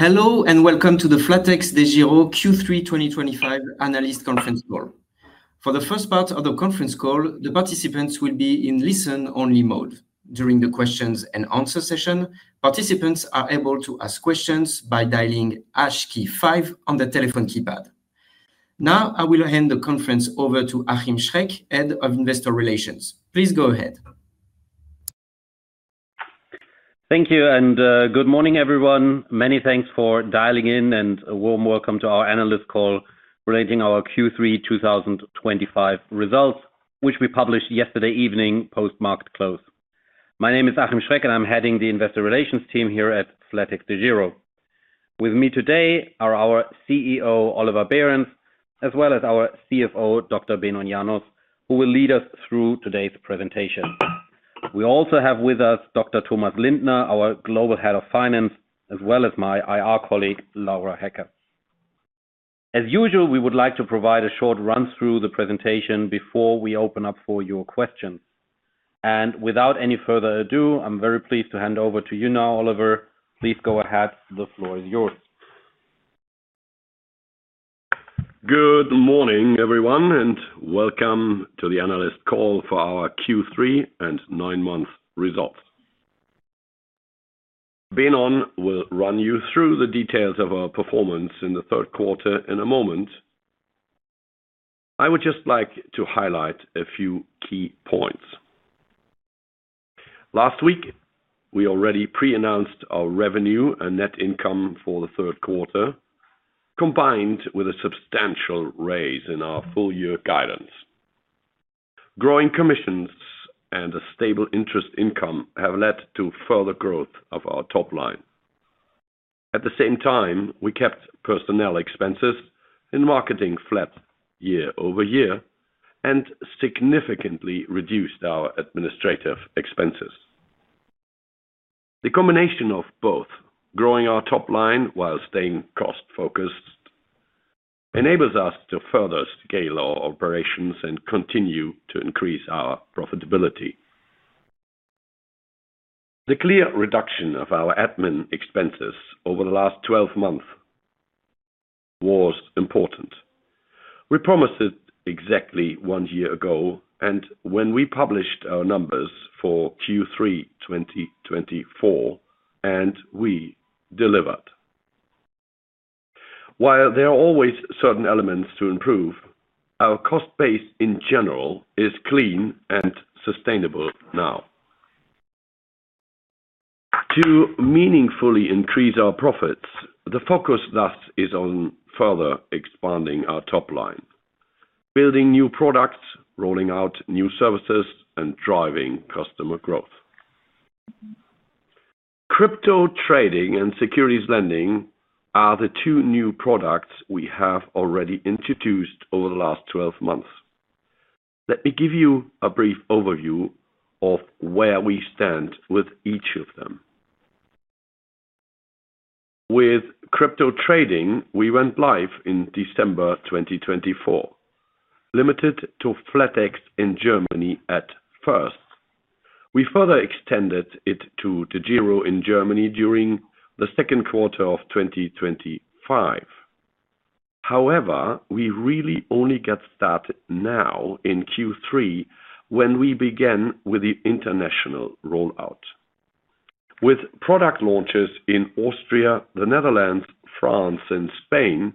Hello and welcome to the flatexDEGIRO Q3 2025 analyst conference call. For the first part of the conference call, the participants will be in listen-only mode. During the questions and answers session, participants are able to ask questions by dialing hash key five on the telephone keypad. Now, I will hand the conference over to Achim Schreck, Head of Investor Relations. Please go ahead. Thank you, and good morning everyone. Many thanks for dialing in, and a warm welcome to our analyst call relating to our Q3 2025 results, which we published yesterday evening post-market close. My name is Achim Schreck, and I'm heading the Investor Relations team here at flatexDEGIRO. With me today are our CEO, Oliver Behrens, as well as our CFO, Dr. Benon Janos, who will lead us through today's presentation. We also have with us Dr. Thomas Lindner, our Global Head of Finance, as well as my IR colleague, Laura Hecker. As usual, we would like to provide a short run-through of the presentation before we open up for your questions. Without any further ado, I'm very pleased to hand over to you now, Oliver. Please go ahead, the floor is yours. Good morning everyone, and welcome to the analyst call for our Q3 and 9-month results. Benon will run you through the details of our performance in the third quarter in a moment. I would just like to highlight a few key points. Last week, we already pre-announced our revenue and net income for the third quarter, combined with a substantial raise in our full-year guidance. Growing commissions and a stable interest income have led to further growth of our top line. At the same time, we kept personnel expenses and marketing flat year-over-year and significantly reduced our administrative expenses. The combination of both, growing our top line while staying cost-focused, enables us to further scale our operations and continue to increase our profitability. The clear reduction of our admin expenses over the last 12 months was important. We promised it exactly one year ago, and when we published our numbers for Q3 2024, we delivered. While there are always certain elements to improve, our cost base in general is clean and sustainable now. To meaningfully increase our profits, the focus thus is on further expanding our top line, building new products, rolling out new services, and driving customer growth. Crypto trading and securities lending are the two new products we have already introduced over the last 12 months. Let me give you a brief overview of where we stand with each of them. With crypto trading, we went live in December 2024, limited to flatex in Germany at first. We further extended it to DEGIRO in Germany during the second quarter of 2025. However, we really only got started now in Q3 when we began with the international rollout. With product launches in Austria, the Netherlands, France, and Spain,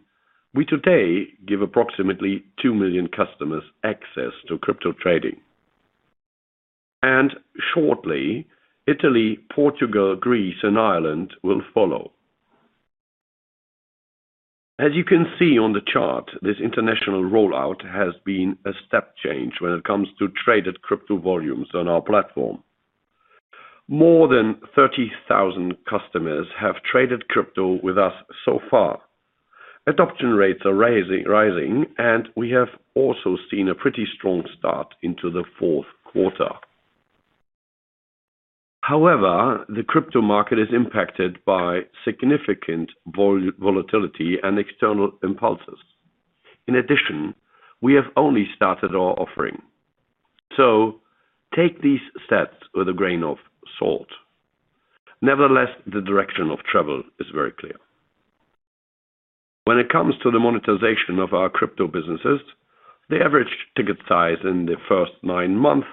we today give approximately 2 million customers access to crypto trading. Shortly, Italy, Portugal, Greece, and Ireland will follow. As you can see on the chart, this international rollout has been a step change when it comes to traded crypto volumes on our platform. More than 30,000 customers have traded crypto with us so far. Adoption rates are rising, and we have also seen a pretty strong start into the fourth quarter. However, the crypto market is impacted by significant volatility and external impulses. In addition, we have only started our offering. Take these stats with a grain of salt. Nevertheless, the direction of travel is very clear. When it comes to the monetization of our crypto businesses, the average ticket size in the first nine months,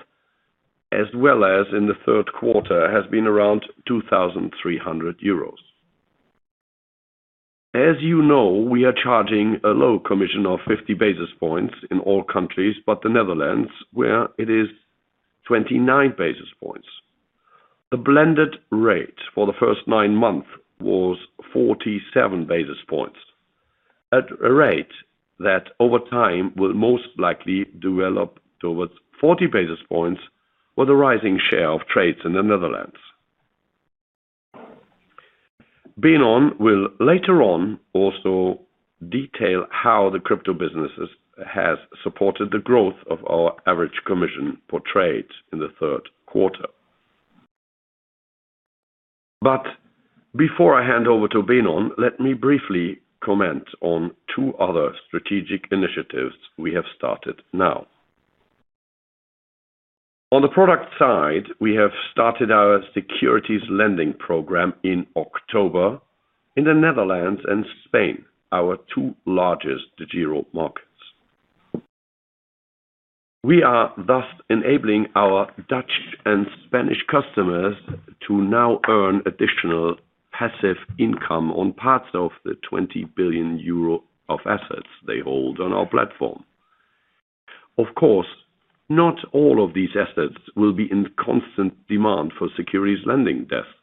as well as in the third quarter, has been around 2,300 euros. As you know, we are charging a low commission of 50 basis points in all countries except the Netherlands, where it is 29 basis points. The blended rate for the first nine months was 47 basis points at a rate that over time will most likely develop towards 40 basis points with a rising share of trades in the Netherlands. Benon will later on also detail how the crypto businesses have supported the growth of our average commission per trade in the third quarter. Before I hand over to Benon, let me briefly comment on two other strategic initiatives we have started now. On the product side, we have started our securities lending program in October in the Netherlands and Spain, our two largest DEGIRO markets. We are thus enabling our Dutch and Spanish customers to now earn additional passive income on parts of the 20 billion euro of assets they hold on our platform. Of course, not all of these assets will be in constant demand for securities lending desks.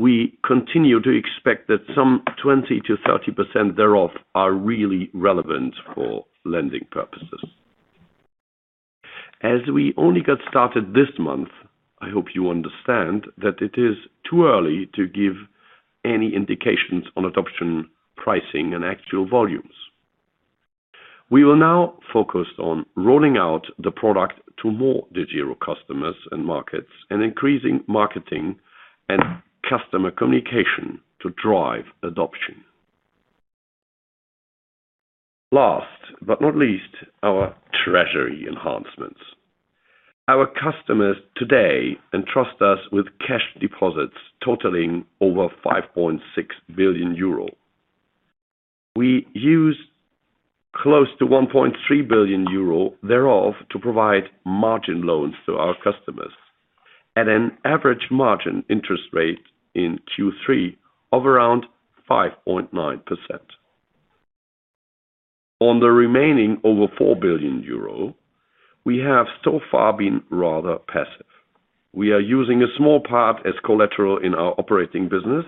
We continue to expect that some 20%-30% thereof are really relevant for lending purposes. As we only got started this month, I hope you understand that it is too early to give any indications on adoption, pricing, and actual volumes. We will now focus on rolling out the product to more DEGIRO customers and markets and increasing marketing and customer communication to drive adoption. Last but not least, our treasury enhancements. Our customers today entrust us with cash deposits totaling over 5.6 billion euro. We use close to 1.3 billion euro thereof to provide margin loans to our customers at an average margin interest rate in Q3 of around 5.9%. On the remaining over 4 billion euro, we have so far been rather passive. We are using a small part as collateral in our operating business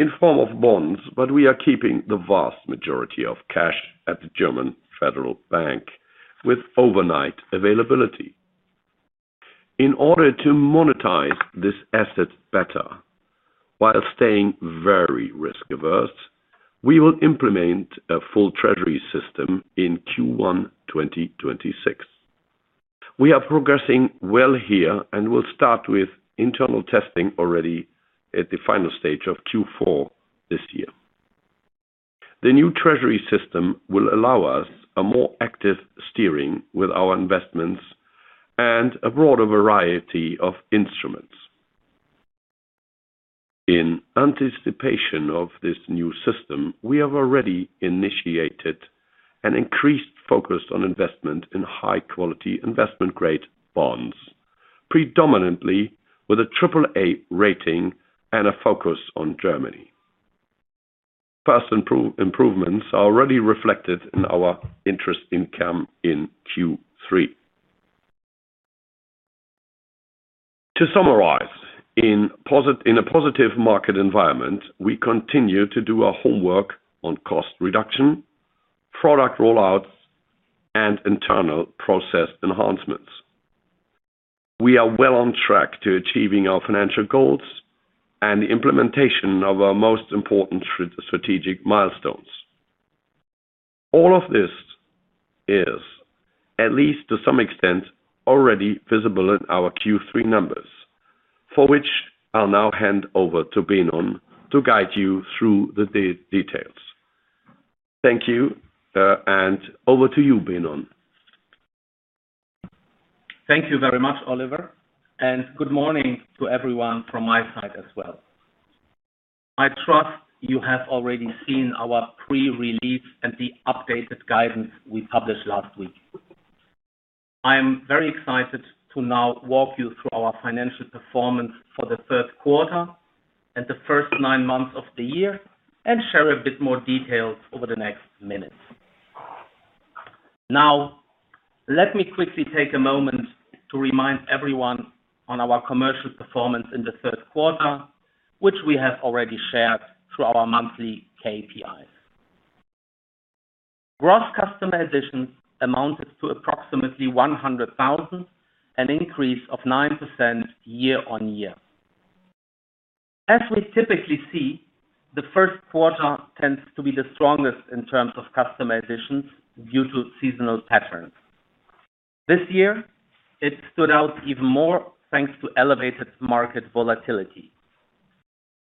in the form of bonds, but we are keeping the vast majority of cash at the German Federal Bank with overnight availability. In order to monetize these assets better while staying very risk-averse, we will implement a full treasury system in Q1 2026. We are progressing well here and will start with internal testing already at the final stage of Q4 this year. The new treasury system will allow us a more active steering with our investments and a broader variety of instruments. In anticipation of this new system, we have already initiated an increased focus on investment in high-quality investment-grade bonds, predominantly with a AAA rating and a focus on Germany. These improvements are already reflected in our interest income in Q3. To summarize, in a positive market environment, we continue to do our homework on cost reduction, product rollouts, and internal process enhancements. We are well on track to achieving our financial goals and the implementation of our most important strategic milestones. All of this is, at least to some extent, already visible in our Q3 numbers, for which I'll now hand over to Benon to guide you through the details. Thank you, and over to you, Benon. Thank you very much, Oliver, and good morning to everyone from my side as well. I trust you have already seen our pre-release and the updated guidance we published last week. I am very excited to now walk you through our financial performance for the third quarter and the first nine months of the year and share a bit more details over the next minutes. Now, let me quickly take a moment to remind everyone on our commercial performance in the third quarter, which we have already shared through our monthly KPIs. Gross customer additions amounted to approximately 100,000, an increase of 9% year-on-year. As we typically see, the first quarter tends to be the strongest in terms of customer additions due to seasonal patterns. This year, it stood out even more thanks to elevated market volatility.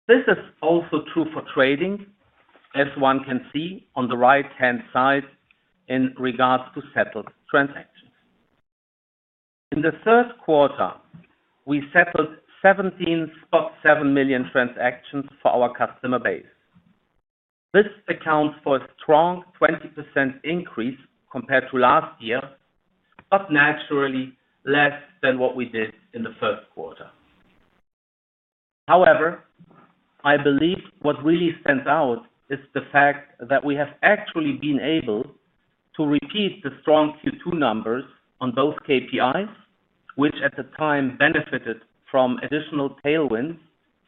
This is also true for trading, as one can see on the right-hand side in regards to settled transactions. In the third quarter, we settled 17.7 million transactions for our customer base. This accounts for a strong 20% increase compared to last year, but naturally less than what we did in the first quarter. However, I believe what really stands out is the fact that we have actually been able to repeat the strong Q2 numbers on both KPIs, which at the time benefited from additional tailwinds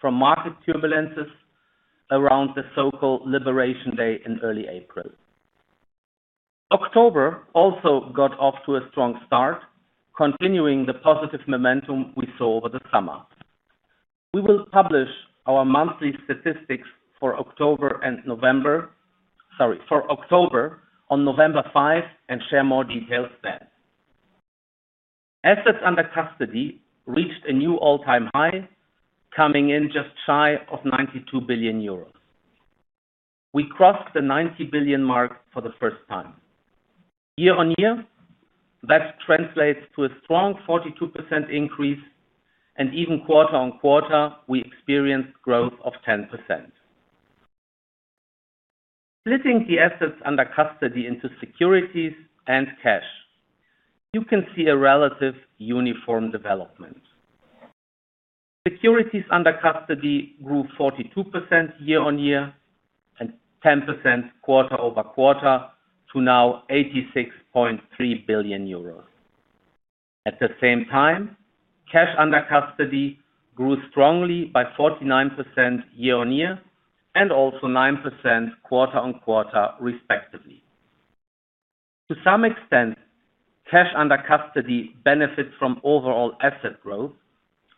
from market turbulences around the so-called Liberation Day in early April. October also got off to a strong start, continuing the positive momentum we saw over the summer. We will publish our monthly statistics for October on November 5 and share more details then. Assets under custody reached a new all-time high, coming in just shy of 92 billion euros. We crossed the 90 billion mark for the first time. Year-on-year, that translates to a strong 42% increase, and even quarter-on-quarter, we experienced growth of 10%. Splitting the assets under custody into securities and cash, you can see a relative uniform development. Securities under custody grew 42% year-on-year and 10% quarter-over-quarter to now 86.3 billion euros. At the same time, cash under custody grew strongly by 49% year-on-year and also 9% quarter-on-quarter, respectively. To some extent, cash under custody benefits from overall asset growth,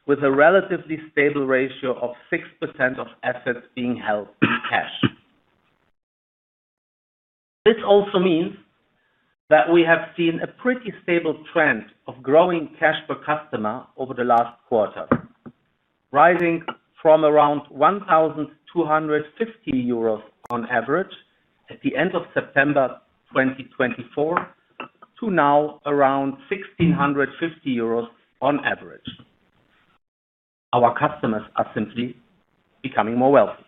with a relatively stable ratio of 6% of assets being held in cash. This also means that we have seen a pretty stable trend of growing cash per customer over the last quarter, rising from around 1,250 euros on average at the end of September 2024 to now around 1,650 euros on average. Our customers are simply becoming more wealthy.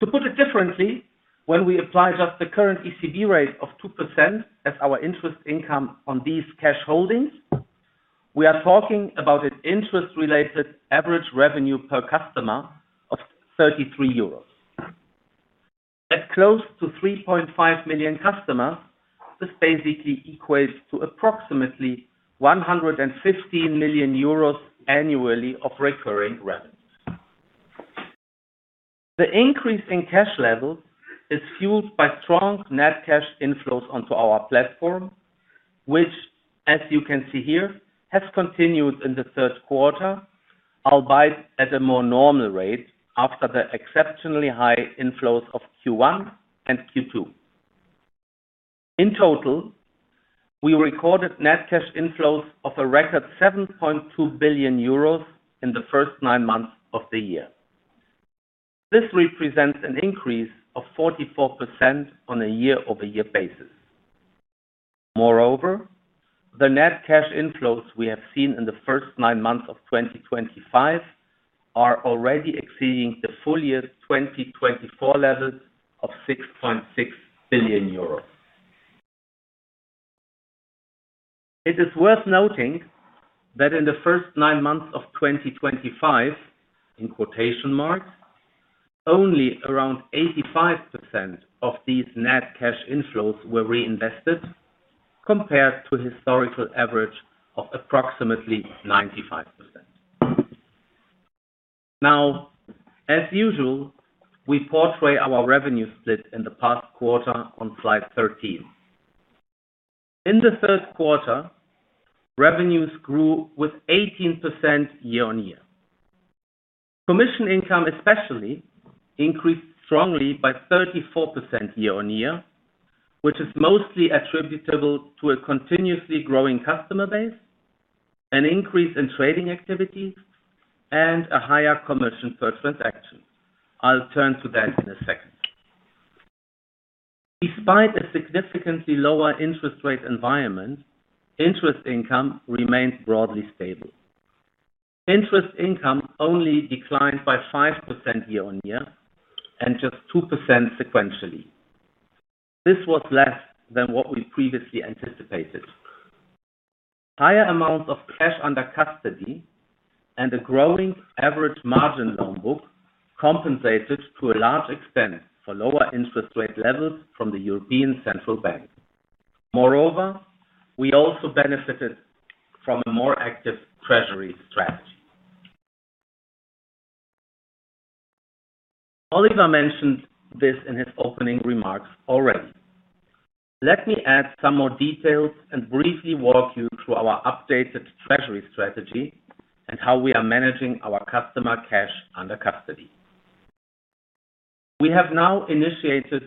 To put it differently, when we apply just the current ECB rate of 2% as our interest income on these cash holdings, we are talking about an interest-related average revenue per customer of 33 euros. At close to 3.5 million customers, this basically equates to approximately 115 million euros annually of recurring revenue. The increase in cash levels is fueled by strong net cash inflows onto our platform, which, as you can see here, has continued in the third quarter, albeit at a more normal rate after the exceptionally high inflows of Q1 and Q2. In total, we recorded net cash inflows of a record 7.2 billion euros in the first nine months of the year. This represents an increase of 44% on a year-over-year basis. Moreover, the net cash inflows we have seen in the first nine months of 2025 are already exceeding the full year 2024 level of EUR 6.6 billion. It is worth noting that in the first nine months of 2025, in quotation marks, only around 85% of these net cash inflows were reinvested compared to a historical average of approximately 95%. Now, as usual, we portray our revenue split in the past quarter on slide 13. In the third quarter, revenues grew with 18% year-on-year. Commission income, especially, increased strongly by 34% year-on-year, which is mostly attributable to a continuously growing customer base, an increase in trading activities, and a higher commission per transaction. I'll turn to that in a second. Despite a significantly lower interest rate environment, interest income remains broadly stable. Interest income only declined by 5% year-on-year and just 2% sequentially. This was less than what we previously anticipated. Higher amounts of cash under custody and a growing average margin loan book compensated to a large extent for lower interest rate levels from the European Central Bank. Moreover, we also benefited from a more active treasury strategy. Oliver mentioned this in his opening remarks already. Let me add some more details and briefly walk you through our updated treasury strategy and how we are managing our customer cash under custody. We have now initiated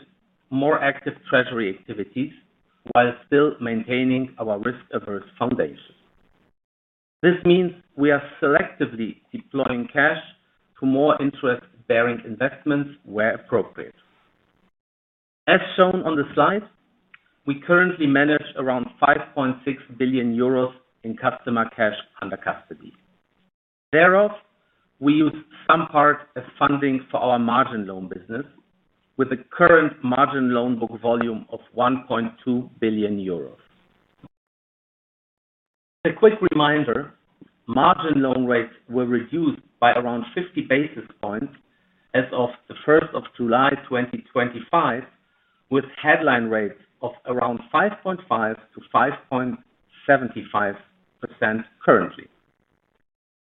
more active treasury activities while still maintaining our risk-averse foundation. This means we are selectively deploying cash to more interest-bearing investments where appropriate. As shown on the slide, we currently manage around 5.6 billion euros in customer cash under custody. Thereof, we use some part of funding for our margin loan business, with a current margin loan book volume of 1.2 billion euros. As a quick reminder, margin loan rates were reduced by around 50 bps as of 1st of July, 2025, with headline rates of around 5.5%-5.75% currently.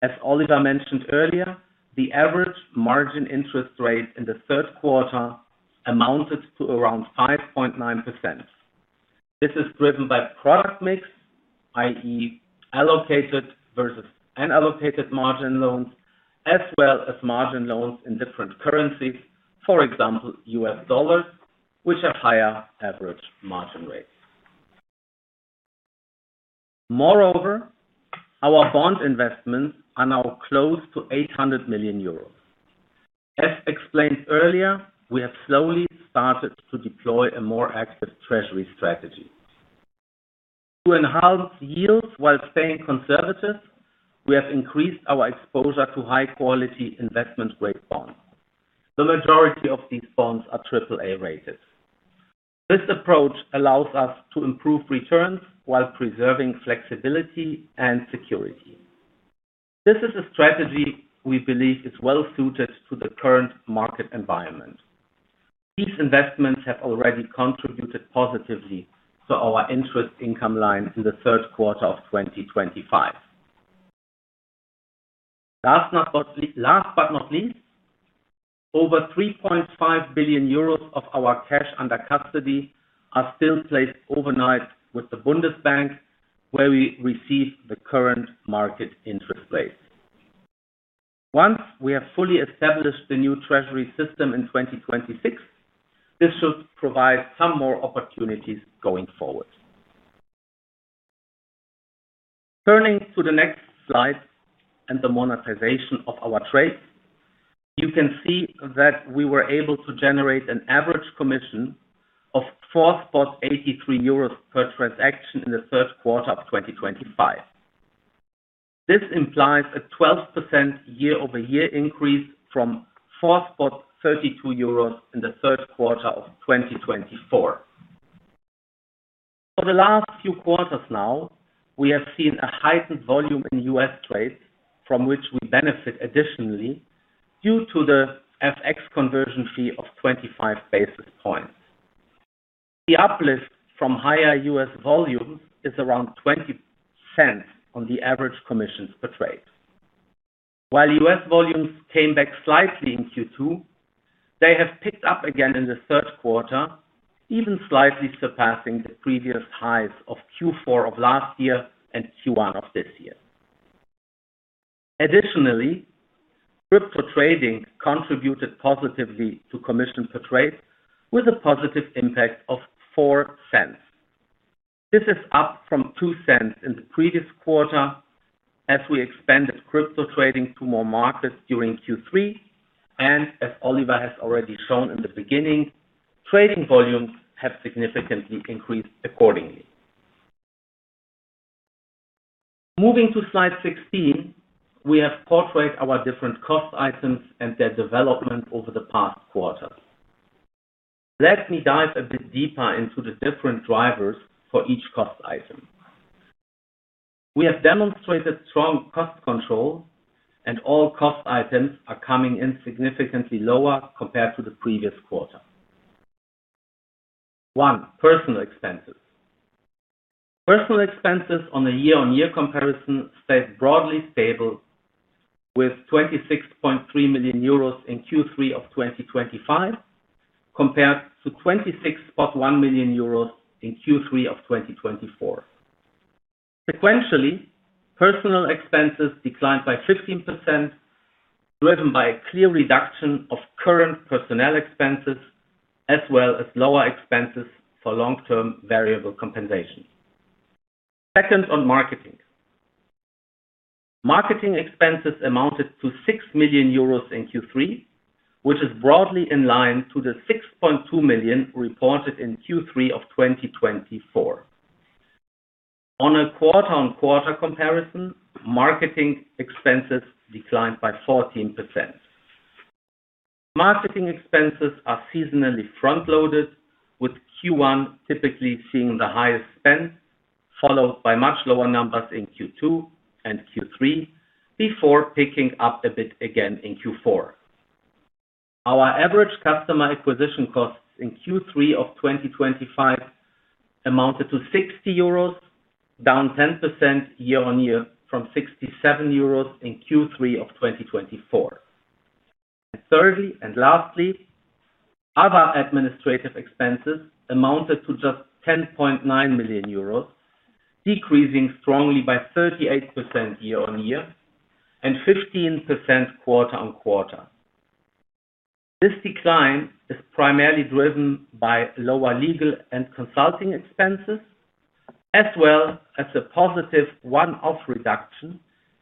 As Oliver mentioned earlier, the average margin interest rate in the third quarter amounted to around 5.9%. This is driven by product mix, i.e., allocated versus unallocated margin loans, as well as margin loans in different currencies, for example, US dollars, which have higher average margin rates. Moreover, our bond investments are now close to 800 million euros. As explained earlier, we have slowly started to deploy a more active treasury strategy. To enhance yields while staying conservative, we have increased our exposure to high-quality investment-grade bonds. The majority of these bonds are AAA-rated. This approach allows us to improve returns while preserving flexibility and security. This is a strategy we believe is well suited to the current market environment. These investments have already contributed positively to our interest income line in the third quarter of 2025. Last but not least, over 3.5 billion euros of our cash under custody are still placed overnight with the Bundesbank, where we receive the current market interest rate. Once we have fully established the new treasury system in 2026, this should provide some more opportunities going forward. Turning to the next slide and the monetization of our trades, you can see that we were able to generate an average commission of 4.83 euros per transaction in the third quarter of 2025. This implies a 12% year-over-year increase from 4.32 euros in the third quarter of 2024. For the last few quarters now, we have seen a heightened volume in U.S. trades, from which we benefit additionally due to the FX conversion fee of 25 basis points. The uplift from higher U.S. volumes is around 0.20 on the average commissions per trade. While U.S. volumes came back slightly in Q2, they have picked up again in the third quarter, even slightly surpassing the previous highs of Q4 of last year and Q1 of this year. Additionally, crypto trading contributed positively to commission per trade, with a positive impact of $0.04. This is up from $0.02 in the previous quarter as we expanded crypto trading to more markets during Q3, and as Oliver has already shown in the beginning, trading volumes have significantly increased accordingly. Moving to slide 16, we have portrayed our different cost items and their development over the past quarter. Let me dive a bit deeper into the different drivers for each cost item. We have demonstrated strong cost controls, and all cost items are coming in significantly lower compared to the previous quarter. One, personnel expenses. Personnel expenses on a year-on-year comparison stayed broadly stable, with 26.3 million euros in Q3 of 2025 compared to 26.1 million euros in Q3 of 2024. Sequentially, personnel expenses declined by 15%, driven by a clear reduction of current personnel expenses, as well as lower expenses for long-term variable compensation. Second, on marketing. Marketing expenses amounted to 6 million euros in Q3, which is broadly in line with the 6.2 million reported in Q3 of 2024. On a quarter-on-quarter comparison, marketing expenses declined by 14%. Marketing expenses are seasonally front-loaded, with Q1 typically seeing the highest spend, followed by much lower numbers in Q2 and Q3, before picking up a bit again in Q4. Our average customer acquisition costs in Q3 of 2025 amounted to 60 euros, down 10% year-on-year from 67 euros in Q3 of 2024. Thirdly, and lastly, other administrative expenses amounted to just 10.9 million euros, decreasing strongly by 38% year-on-year and 15% quarter-on-quarter. This decline is primarily driven by lower legal and consulting expenses, as well as a positive one-off reduction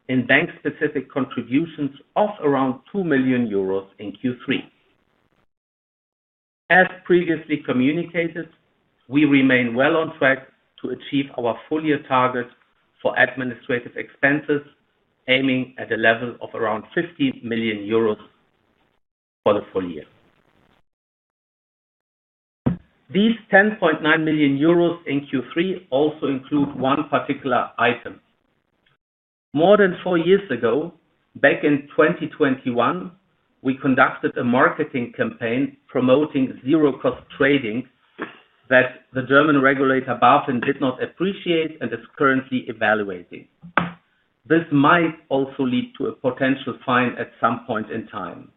in bank-specific contributions of around 2 million euros in Q3. As previously communicated, we remain well on track to achieve our full-year target for administrative expenses, aiming at a level of around 15 million euros for the full year. These 10.9 million euros in Q3 also include one particular item. More than four years ago, back in 2021, we conducted a marketing campaign promoting zero-cost trading that the German regulator BaFin did not appreciate and is currently evaluating. This might also lead to a potential fine at some point in time.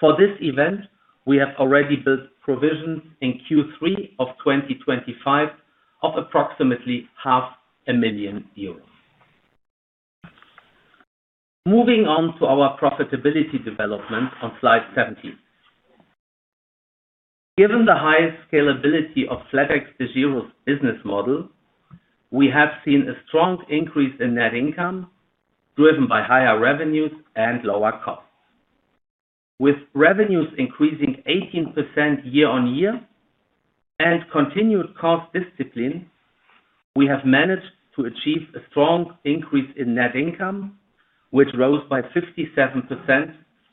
For this event, we have already built provisions in Q3 of 2025 of approximately EUR 0.5 million. Moving on to our profitability development on slide 17. Given the high scalability of flatexDEGIRO's business model, we have seen a strong increase in net income, driven by higher revenues and lower costs. With revenues increasing 18% year-on-year and continued cost discipline, we have managed to achieve a strong increase in net income, which rose by 57%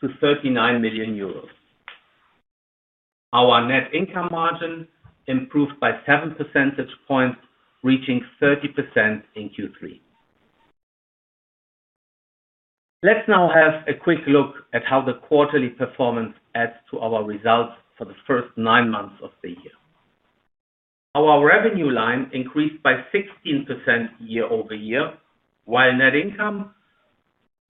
to 39 million euros. Our net income margin improved by 7 percentage points, reaching 30% in Q3. Let's now have a quick look at how the quarterly performance adds to our results for the first nine months of the year. Our revenue line increased by 16% year-over-year, while net income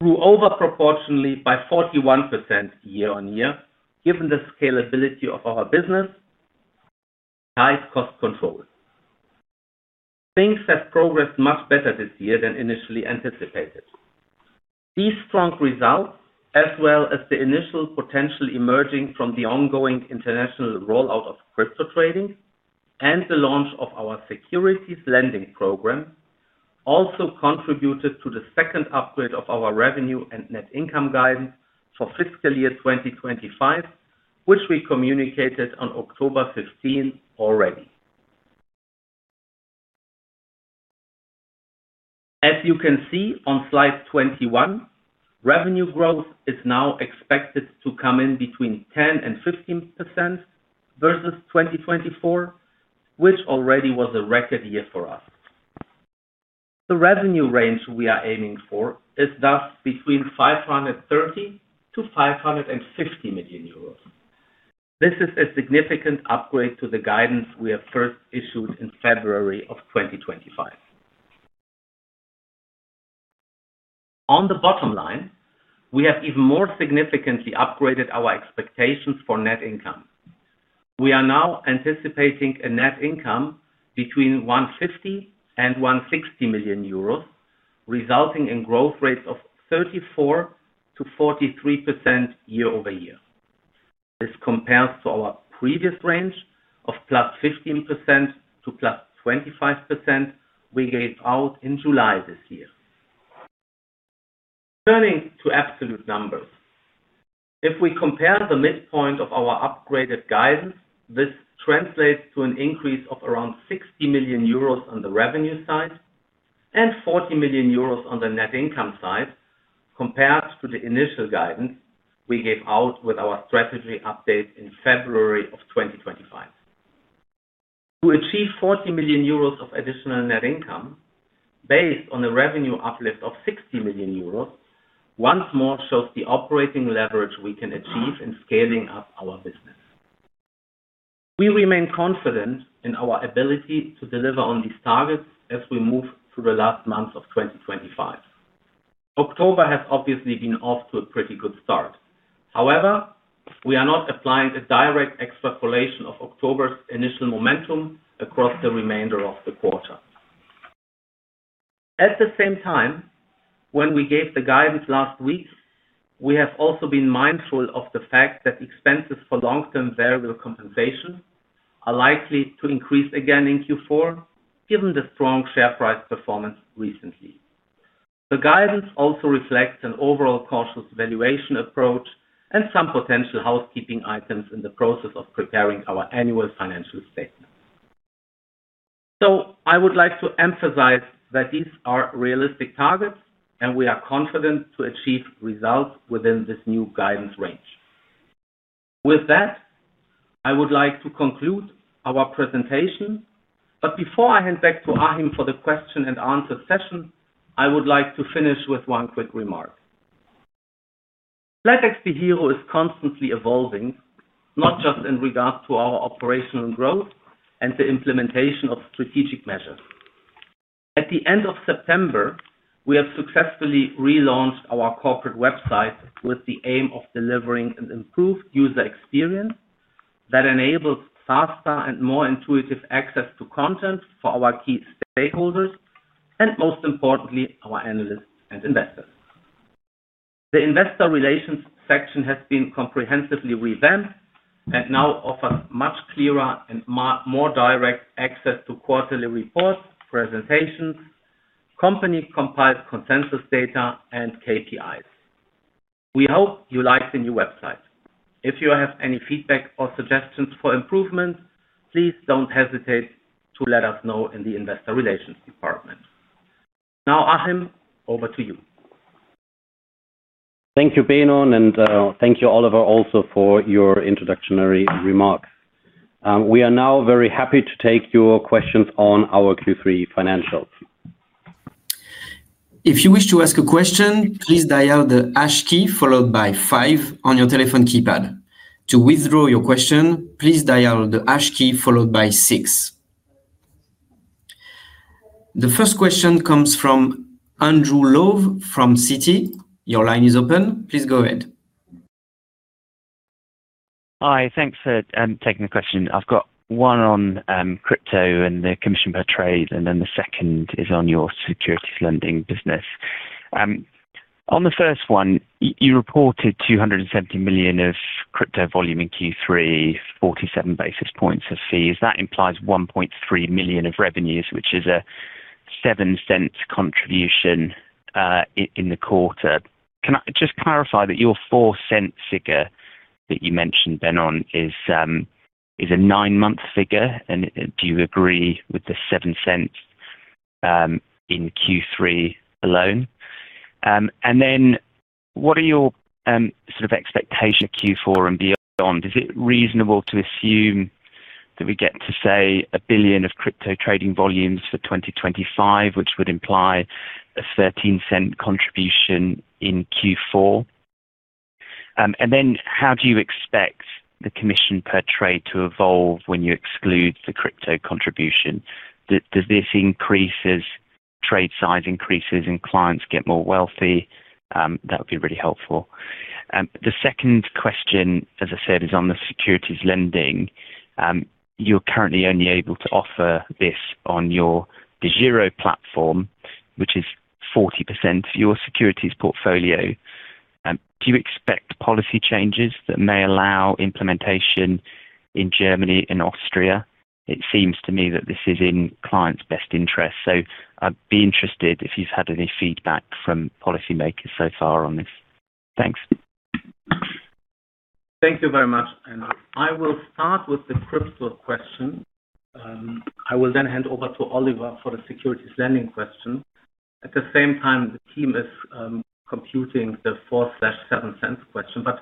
grew overproportionately by 41% year-on-year, given the scalability of our business and high cost control. Things have progressed much better this year than initially anticipated. These strong results, as well as the initial potential emerging from the ongoing international rollout of crypto trading and the launch of our securities lending program, also contributed to the second upgrade of our revenue and net income guidance for fiscal year 2025, which we communicated on October 15 already. As you can see on slide 21, revenue growth is now expected to come in between 10% and 15% versus 2024, which already was a record year for us. The revenue range we are aiming for is thus between 530 million-550 million euros. This is a significant upgrade to the guidance we have first issued in February of 2025. On the bottom line, we have even more significantly upgraded our expectations for net income. We are now anticipating a net income between 150 million and 160 million euros, resulting in growth rates of 34% to 43% year-over-year. This compares to our previous range of +15% to +25% we gave out in July this year. Turning to absolute numbers, if we compare the midpoint of our upgraded guidance, this translates to an increase of around 60 million euros on the revenue side and 40 million euros on the net income side, compared to the initial guidance we gave out with our strategy update in February of 2025. To achieve 40 million euros of additional net income, based on a revenue uplift of 60 million euros, once more shows the operating leverage we can achieve in scaling up our business. We remain confident in our ability to deliver on these targets as we move through the last months of 2025. October has obviously been off to a pretty good start. However, we are not applying a direct extrapolation of October's initial momentum across the remainder of the quarter. At the same time, when we gave the guidance last week, we have also been mindful of the fact that expenses for long-term variable compensation are likely to increase again in Q4, given the strong share price performance recently. The guidance also reflects an overall cautious valuation approach and some potential housekeeping items in the process of preparing our annual financial statement. I would like to emphasize that these are realistic targets, and we are confident to achieve results within this new guidance range. With that, I would like to conclude our presentation, but before I hand back to Achim for the question and answer session, I would like to finish with one quick remark. flatexDEGIRO is constantly evolving, not just in regards to our operational growth and the implementation of strategic measures. At the end of September, we have successfully relaunched our corporate website with the aim of delivering an improved user experience that enables faster and more intuitive access to content for our key stakeholders and, most importantly, our analysts and investors. The investor relations section has been comprehensively revamped and now offers much clearer and more direct access to quarterly reports, presentations, company-compiled consensus data, and KPIs. We hope you like the new website. If you have any feedback or suggestions for improvements, please don't hesitate to let us know in the investor relations department. Now, Achim, over to you. Thank you, Benon, and thank you, Oliver, also for your introductory remarks. We are now very happy to take your questions on our Q3 financials. If you wish to ask a question, please dial the has key followed by five on your telephone keypad. To withdraw your question, please dial the hash key followed by six. The first question comes from Andrew Lowe from Citi. Your line is open. Please go ahead. Hi, thanks for taking the question. I've got one on crypto and the commission per trade, and then the second is on your securities lending business. On the first one, you reported $270 million of crypto volume in Q3, 47 basis points of fees. That implies $1.3 million of revenues, which is a $0.07 contribution in the quarter. Can I just clarify that your $0.04 figure that you mentioned, Benon, is a nine-month figure, and do you agree with the $0.07 in Q3 alone? What are your sort of expectations for Q4 and beyond? Is it reasonable to assume that we get to, say, $1 billion of crypto trading volumes for 2025, which would imply a $0.13 contribution in Q4? How do you expect the commission per trade to evolve when you exclude the crypto contribution? Does this increase as trade size increases and clients get more wealthy? That would be really helpful. The second question, as I said, is on the securities lending. You're currently only able to offer this on your DEGIRO platform, which is 40% of your securities portfolio. Do you expect policy changes that may allow implementation in Germany and Austria? It seems to me that this is in clients' best interests, so I'd be interested if you've had any feedback from policymakers so far on this. Thanks. Thank you very much, Andrew. I will start with the crypto question. I will then hand over to Oliver for the securities lending question. At the same time, the team is computing the $0.57 question, but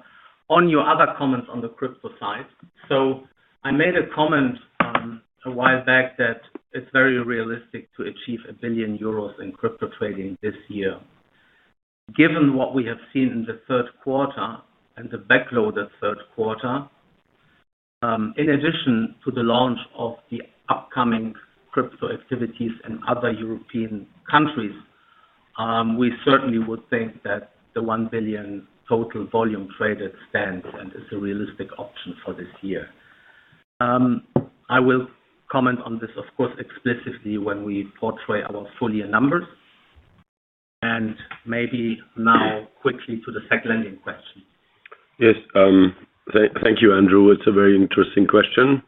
on your other comments on the crypto side. I made a comment a while back that it's very realistic to achieve 1 billion euros in crypto trading this year. Given what we have seen in the third quarter and the backloaded third quarter, in addition to the launch of the upcoming crypto activities in other European countries, we certainly would think that the 1 billion total volume traded stands and is a realistic option for this year. I will comment on this, of course, explicitly when we portray our full-year numbers. Maybe now quickly to the securities lending question. Yes, thank you, Andrew. It's a very interesting question.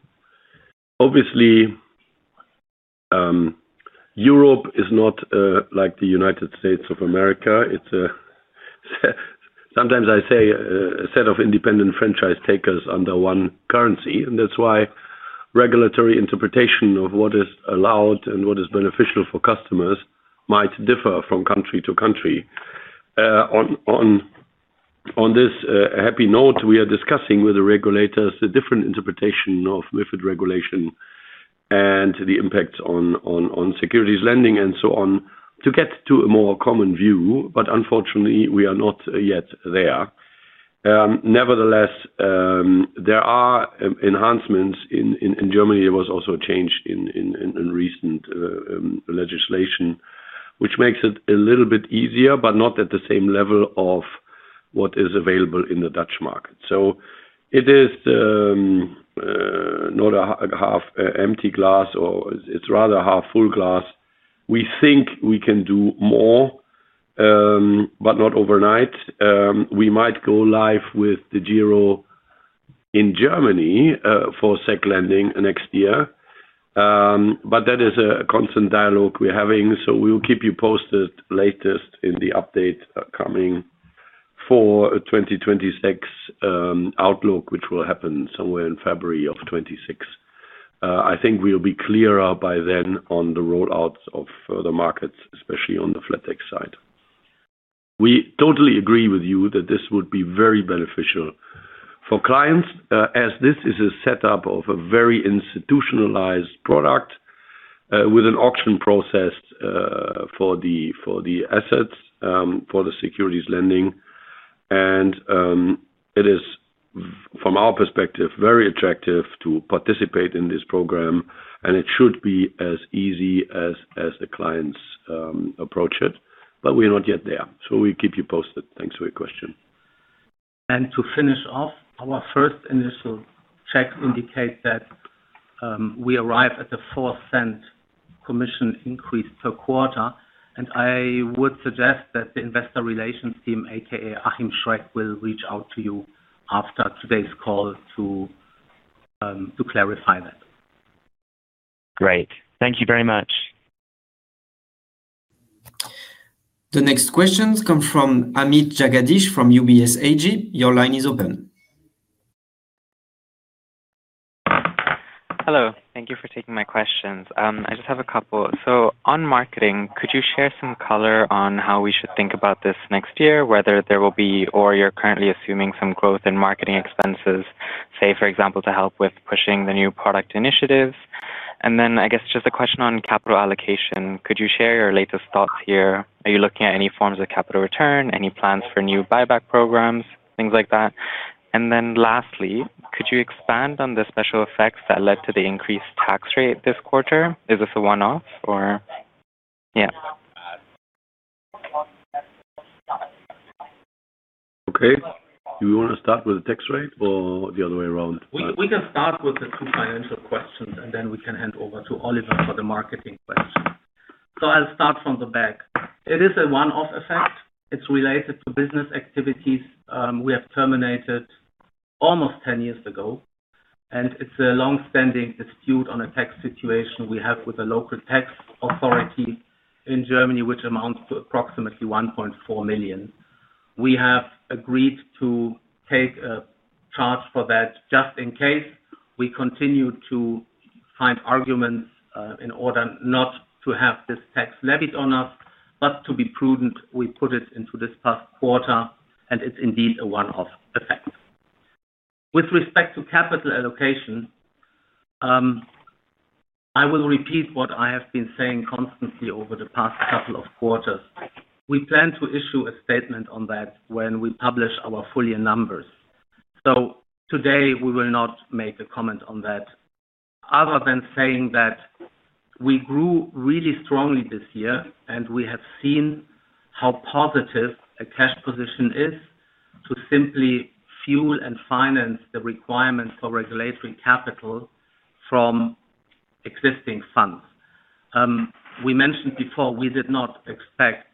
Obviously, Europe is not like the United States of America. Sometimes I say a set of independent franchise takers under one currency, and that's why regulatory interpretation of what is allowed and what is beneficial for customers might differ from country to country. On this happy note, we are discussing with the regulators the different interpretation of MiFID regulation and the impacts on securities lending and so on to get to a more common view, but unfortunately, we are not yet there. Nevertheless, there are enhancements in Germany. There was also a change in recent legislation, which makes it a little bit easier, but not at the same level of what is available in the Dutch market. It is not a half empty glass, or it's rather half full glass. We think we can do more, but not overnight. We might go live with DEGIRO in Germany for securities lending next year, but that is a constant dialogue we're having. We'll keep you posted latest in the update coming for a 2026 outlook, which will happen somewhere in February of 2026. I think we'll be clearer by then on the rollouts of the markets, especially on the flatex side. We totally agree with you that this would be very beneficial for clients, as this is a setup of a very institutionalized product with an auction process for the assets, for the securities lending. It is, from our perspective, very attractive to participate in this program, and it should be as easy as the clients approach it, but we're not yet there. We'll keep you posted. Thanks for your question. To finish off, our first initial check indicates that we arrive at a $0.04 commission increase per quarter, and I would suggest that the Investor Relations team, aka Achim Schreck, will reach out to you after today's call to clarify that. Great. Thank you very much. The next questions come from Amit Jagadeesh from UBS AG. Your line is open. Hello. Thank you for taking my questions. I just have a couple. On marketing, could you share some color on how we should think about this next year, whether there will be, or you're currently assuming some growth in marketing expenses, for example, to help with pushing the new product initiatives? I guess just a question on capital allocation. Could you share your latest thoughts here? Are you looking at any forms of capital return? Any plans for new buyback programs, things like that? Lastly, could you expand on the special effects that led to the increased tax rate this quarter? Is this a one-off or? Yeah. Okay, do we want to start with the tax rate or the other way around? We can start with the two financial questions, and then we can hand over to Oliver for the marketing question. I'll start from the back. It is a one-off effect. It's related to business activities we have terminated almost 10 years ago, and it's a longstanding dispute on a tax situation we have with the local tax authority in Germany, which amounts to approximately 1.4 million. We have agreed to take a charge for that just in case we continue to find arguments in order not to have this tax levied on us, but to be prudent, we put it into this past quarter, and it's indeed a one-off effect. With respect to capital allocation, I will repeat what I have been saying constantly over the past couple of quarters. We plan to issue a statement on that when we publish our full-year numbers. Today we will not make a comment on that, other than saying that we grew really strongly this year, and we have seen how positive a cash position is to simply fuel and finance the requirements for regulatory capital from existing funds. We mentioned before we did not expect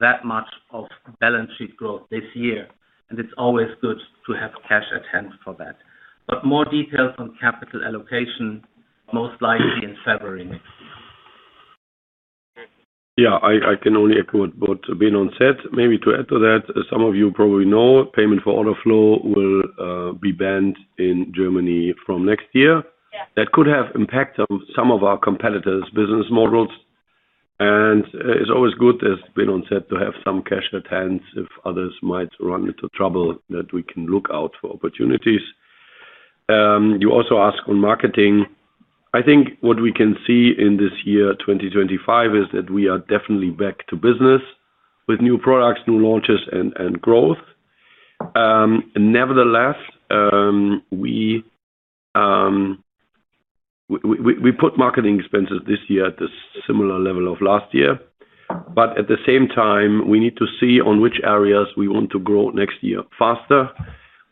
that much of balance sheet growth this year, and it's always good to have cash at hand for that. More details on capital allocation, most likely in February next year. Yeah, I can only echo what Benon said. Maybe to add to that, some of you probably know payment for order flow will be banned in Germany from next year. That could have impacted some of our competitors' business models, and it's always good, as Benon said, to have some cash at hand if others might run into trouble that we can look out for opportunities. You also asked on marketing. I think what we can see in this year, 2025, is that we are definitely back to business with new products, new launches, and growth. Nevertheless, we put marketing expenses this year at the similar level of last year, but at the same time, we need to see on which areas we want to grow next year faster.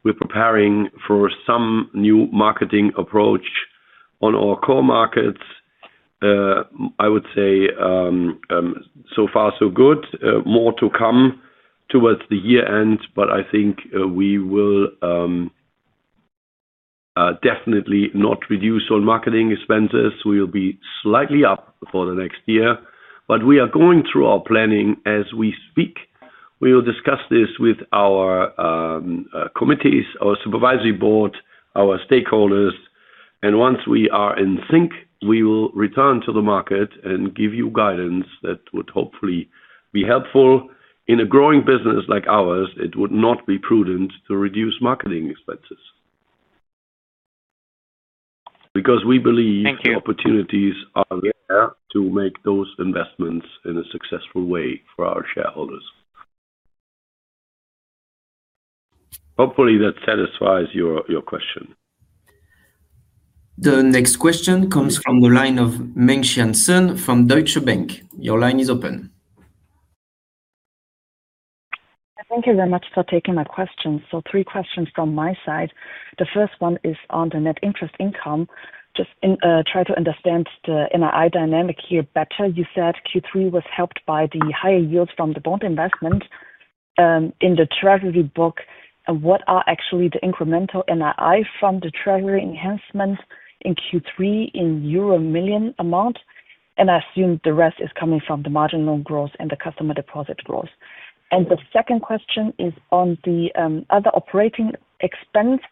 We're preparing for some new marketing approach on our core markets. I would say so far, so good. More to come towards the year-end, but I think we will definitely not reduce all marketing expenses. We'll be slightly up for the next year, but we are going through our planning as we speak. We will discuss this with our committees, our Supervisory Board, our stakeholders, and once we are in sync, we will return to the market and give you guidance that would hopefully be helpful. In a growing business like ours, it would not be prudent to reduce marketing expenses. Thank you. Because we believe the opportunities are there to make those investments in a successful way for our shareholders. Hopefully, that satisfies your question. The next question comes from the line of Mengxian Sun from Deutsche Bank. Your line is open. Thank you very much for taking my questions. Three questions from my side. The first one is on the net interest income. Just trying to understand the NII dynamic here better. You said Q3 was helped by the higher yields from the bond investment in the treasury book. What are actually the incremental NII from the treasury enhancements in Q3 in euro million amount? I assume the rest is coming from the marginal growth and the customer deposit growth. The second question is on the other operating expense.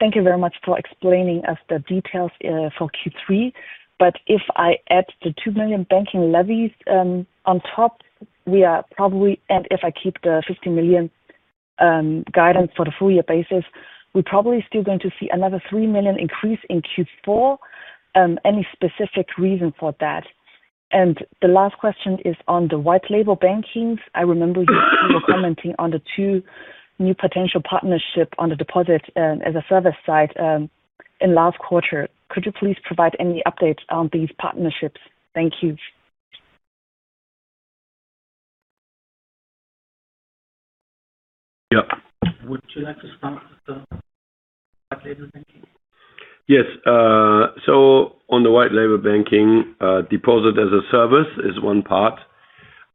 Thank you very much for explaining us the details for Q3, but if I add the 2 million banking levies on top, and if I keep the 50 million guidance for the full-year basis, we're probably still going to see another 3 million increase in Q4. Any specific reason for that? The last question is on the white label bankings. I remember you were commenting on the two new potential partnerships on the deposit as a service side in the last quarter. Could you please provide any updates on these partnerships? Thank you. Yeah. Would you like to start with the white label banking? Yes. On the white label banking, deposit as a service is one part.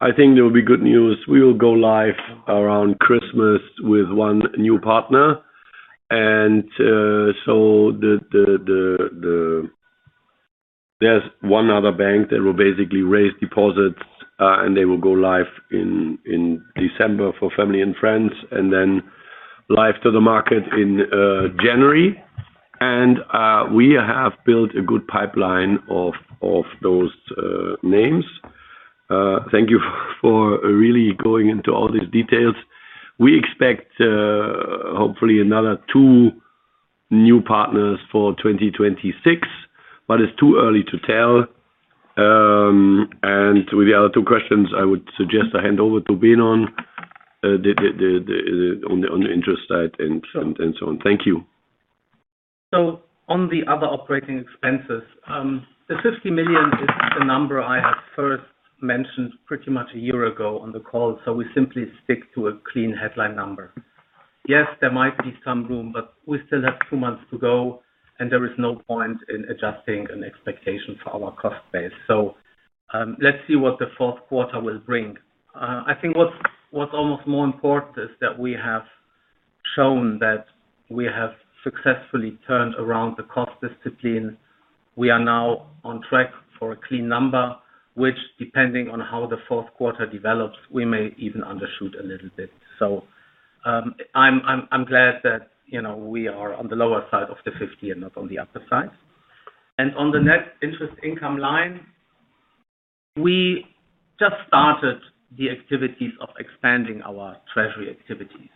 I think there will be good news. We will go live around Christmas with one new partner. There is one other bank that will basically raise deposits, and they will go live in December for family and friends, then live to the market in January. We have built a good pipeline of those names. Thank you for really going into all these details. We expect hopefully another two new partners for 2026, but it's too early to tell. With the other two questions, I would suggest I hand over to Benon on the interest side and so on. Thank you. On the other operating expenses, the 50 million is the number I had first mentioned pretty much a year ago on the call. We simply stick to a clean headline number. Yes, there might be some room, but we still have two months to go, and there is no point in adjusting an expectation for our cost base. Let's see what the fourth quarter will bring. I think what's almost more important is that we have shown that we have successfully turned around the cost discipline. We are now on track for a clean number, which, depending on how the fourth quarter develops, we may even undershoot a little bit. I'm glad that we are on the lower side of the 50 million and not on the upper side. On the net interest income line, we just started the activities of expanding our treasury activities.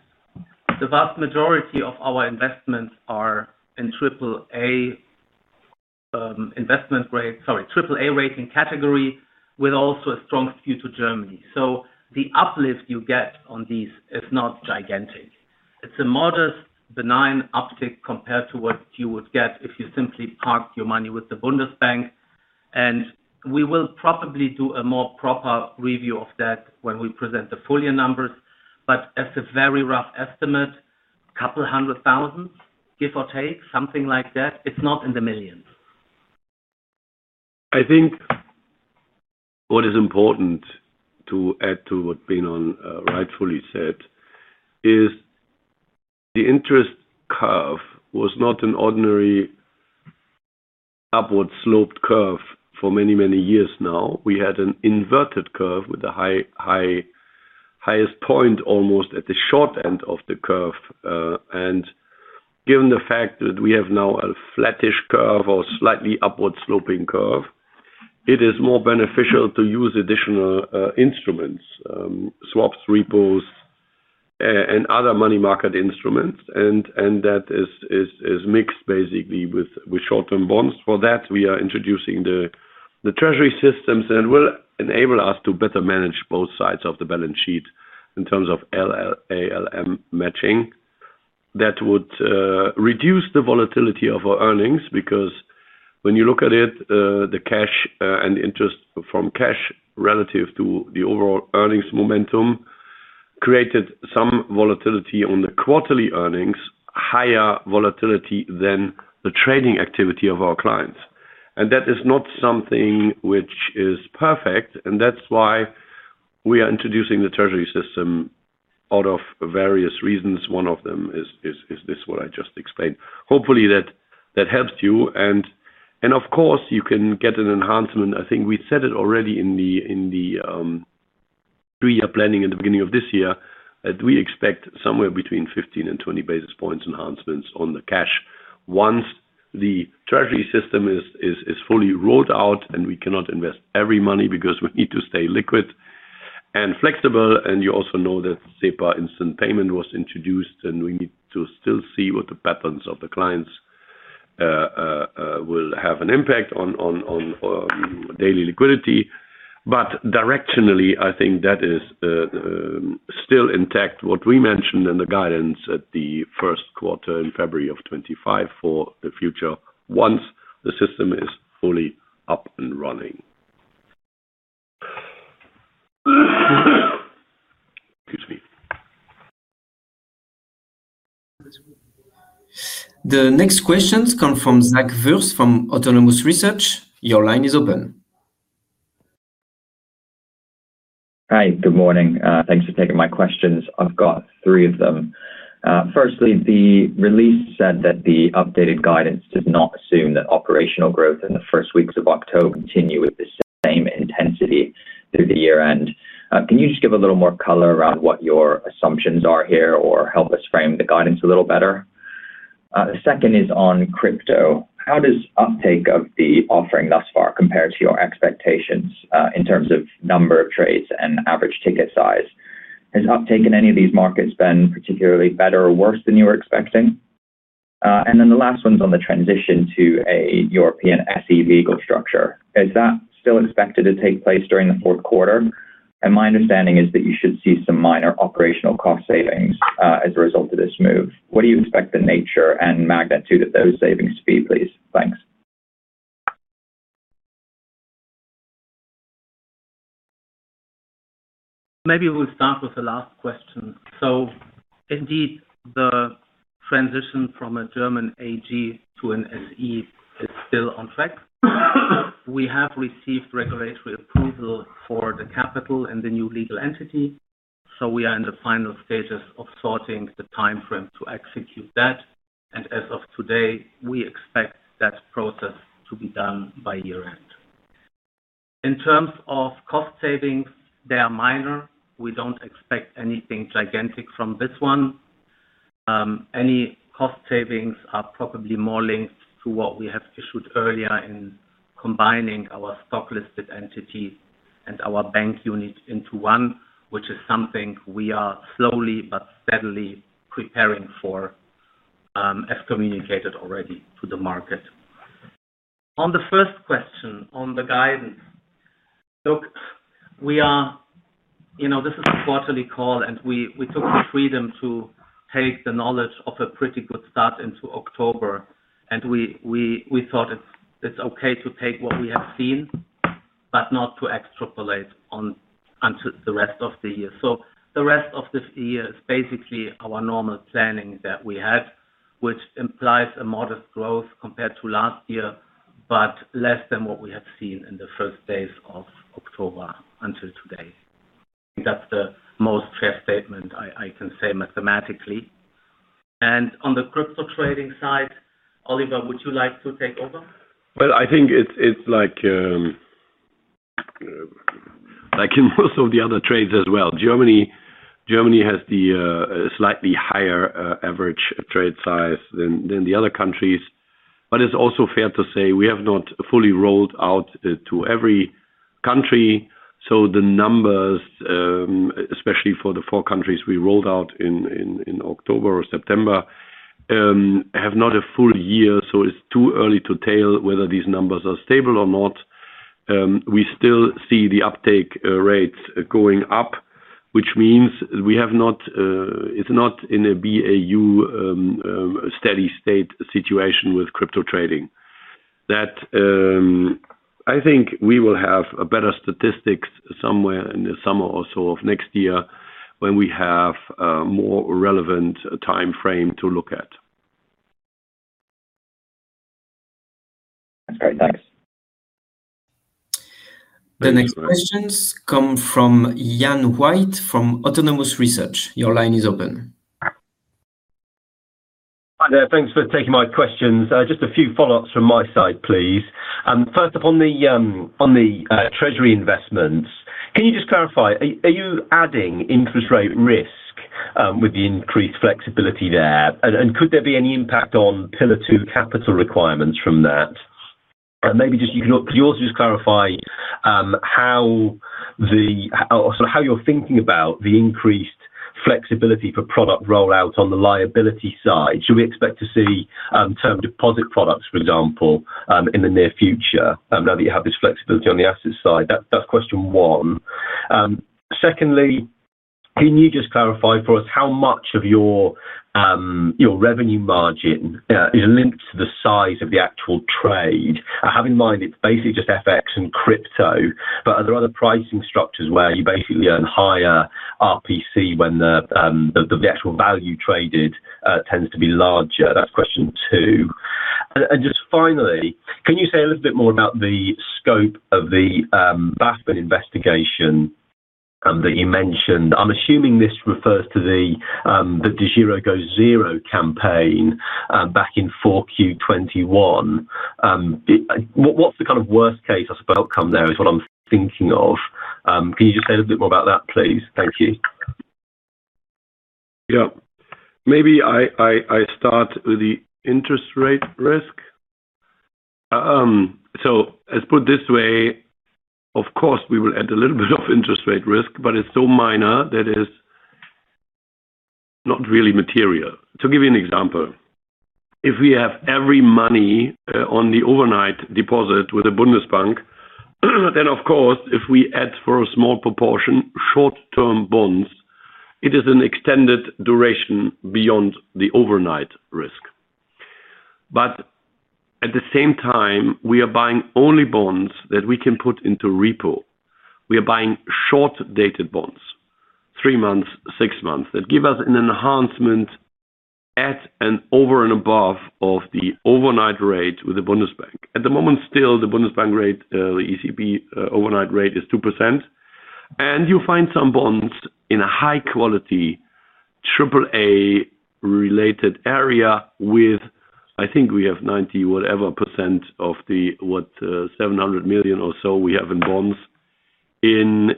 The vast majority of our investments are in AAA rating category, with also a strong view to Germany. The uplift you get on these is not gigantic. It's a modest, benign uptick compared to what you would get if you simply parked your money with the Bundesbank and we will probably do a more proper review of that when we present the full-year numbers. As a very rough estimate, a couple hundred thousand, give or take, something like that. It's not in the millions. I think what is important to add to what Benon rightfully said is the interest curve was not an ordinary upward sloped curve for many, many years now. We had an inverted curve with the highest point almost at the short end of the curve. Given the fact that we have now a flattish curve or slightly upward sloping curve, it is more beneficial to use additional instruments, swaps, repos, and other money market instruments. That is mixed basically with short-term bonds. For that, we are introducing the treasury system that will enable us to better manage both sides of the balance sheet in terms of LLM matching. That would reduce the volatility of our earnings because when you look at it, the cash and interest from cash relative to the overall earnings momentum created some volatility on the quarterly earnings, higher volatility than the trading activity of our clients. That is not something which is perfect. That is why we are introducing the treasury system out of various reasons. One of them is this what I just explained. Hopefully, that helps you. Of course, you can get an enhancement. I think we said it already in the three-year planning at the beginning of this year that we expect somewhere between 15 basis points and 20 basis points enhancements on the cash once the treasury system is fully rolled out and we cannot invest every money because we need to stay liquid and flexible. You also know that SEPA instant payment was introduced, and we need to still see what the patterns of the clients will have an impact on daily liquidity. Directionally, I think that is still intact, what we mentioned in the guidance at the first quarter in February of 2025 for the future once the system is fully up and running. The next questions come from Zach Wurz from Autonomous Research. Your line is open. Hi, good morning. Thanks for taking my questions. I've got three of them. Firstly, the release said that the updated guidance does not assume that operational growth in the first weeks of October continues with the same intensity through the year-end. Can you just give a little more color around what your assumptions are here or help us frame the guidance a little better? The second is on crypto. How does uptake of the offering thus far compare to your expectations in terms of number of trades and average ticket size? Has uptake in any of these markets been particularly better or worse than you were expecting? The last one's on the transition to a European SE vehicle structure. Is that still expected to take place during the fourth quarter? My understanding is that you should see some minor operational cost savings as a result of this move. What do you expect the nature and magnitude of those savings to be, please? Thanks. Maybe we'll start with the last question. Indeed, the transition from a German AG to an SE is still on track. We have received regulatory approval for the capital and the new legal entity. We are in the final stages of sorting the timeframe to execute that. As of today, we expect that process to be done by year-end. In terms of cost savings, they are minor. We don't expect anything gigantic from this one. Any cost savings are probably more linked to what we have issued earlier in combining our stock-listed entities and our bank unit into one, which is something we are slowly but steadily preparing for, as communicated already to the market. On the first question on the guidance, look, this is a quarterly call, and we took the freedom to take the knowledge of a pretty good start into October. We thought it's okay to take what we have seen, but not to extrapolate on until the rest of the year. The rest of this year is basically our normal planning that we had, which implies a modest growth compared to last year, but less than what we have seen in the first days of October until today. I think that's the most fair statement I can say mathematically. On the crypto trading side, Oliver, would you like to take over? I think it's like in most of the other trades as well. Germany has a slightly higher average trade size than the other countries, but it's also fair to say we have not fully rolled out to every country. The numbers, especially for the four countries we rolled out in October or September, have not a full year, so it's too early to tell whether these numbers are stable or not. We still see the uptake rates going up, which means we have not, it's not in a BAU steady-state situation with crypto trading. I think we will have better statistics somewhere in the summer or so of next year when we have a more relevant timeframe to look at. That's great. Thanks. The next questions come from Ian White from Autonomous Research. Your line is open. Thanks for taking my questions. Just a few follow-ups from my side, please. First up, on the treasury investments, can you just clarify, are you adding interest rate risk with the increased flexibility there? Could there be any impact on pillar two capital requirements from that? Maybe you can also just clarify how you're thinking about the increased flexibility for product rollout on the liability side. Should we expect to see term deposit products, for example, in the near future now that you have this flexibility on the asset side? That's question one. Secondly, can you just clarify for us how much of your revenue margin is linked to the size of the actual trade? I have in mind it's basically just FX and crypto, but are there other pricing structures where you basically earn higher RPC when the actual value traded tends to be larger? That's question two. Finally, can you say a little bit more about the scope of the BaFin investigation that you mentioned? I'm assuming this refers to the DEGIRO goes zero campaign back in 4Q2021. What's the kind of worst-case outcome there is what I'm thinking of. Can you just say a little bit more about that, please? Thank you. Yeah. Maybe I start with the interest rate risk. Let's put it this way. Of course, we will add a little bit of interest rate risk, but it's so minor that it's not really material. To give you an example, if we have every money on the overnight deposit with the Bundesbank, then of course, if we add for a small proportion short-term bonds, it is an extended duration beyond the overnight risk. At the same time, we are buying only bonds that we can put into repo. We are buying short-dated bonds, three months, six months, that give us an enhancement at and over and above the overnight rate with the Bundesbank. At the moment, still the Bundesbank rate, the ECB overnight rate is 2%. You'll find some bonds in a high-quality AAA-rated area with, I think we have 90 whatever percent of the, what, 700 million or so we have in bonds in